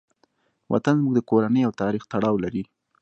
وطن زموږ د کورنۍ او تاریخ تړاو لري.